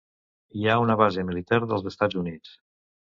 Hi ha una base militar dels Estats Units.